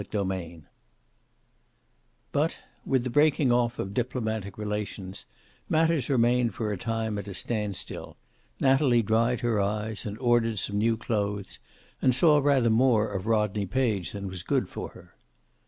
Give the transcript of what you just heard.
CHAPTER XXIII But, with the breaking off of diplomatic relations, matters remained for a time at a standstill. Natalie dried her eyes and ordered some new clothes, and saw rather more of Rodney Page than was good for her.